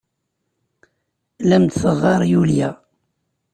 La am-d-teɣɣar Julia.